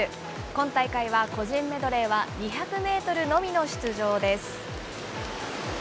今大会は個人メドレーは２００メートルのみの出場です。